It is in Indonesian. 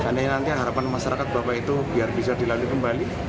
dan nanti harapan masyarakat bapak itu biar bisa dilalui kembali